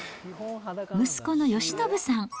息子の吉伸さん。